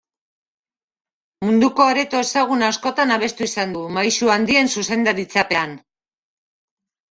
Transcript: Munduko areto ezagun askotan abestu izan du, maisu handien zuzendaritzapean.